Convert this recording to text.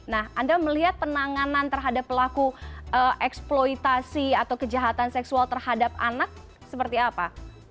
nah anda melihat penanganan terhadap pelaku eksploitasi atau kejahatan seksual terhadap anak seperti apa